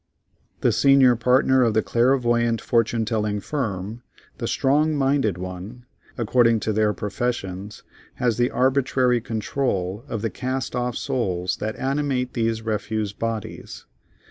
The senior partner of the clairvoyant fortune telling firm, the strong minded one, according to their professions, has the arbitrary control of the cast off souls that animate these refuse bodies.